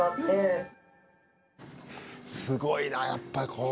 すごいなやっぱりこう。